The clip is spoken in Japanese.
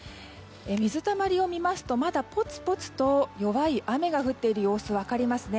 水たまりを見ますとまだ、ぽつぽつと弱い雨が降っている様子が分かりますね。